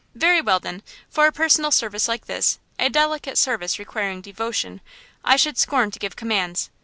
"Very well, then, for a personal service like this, a delicate service requiring devotion, I should scorn to give commands!